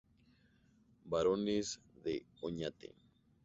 Barones de Oñate.